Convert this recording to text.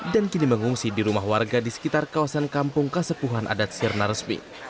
dan kini mengungsi di rumah warga di sekitar kawasan kampung kasepuhan adat sierna resmi